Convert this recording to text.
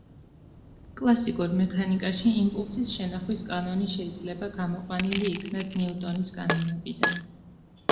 კლასიკურ მექანიკაში იმპულსის შენახვის კანონი შეიძლება გამოყვანილი იქნას ნიუტონის კანონებიდან.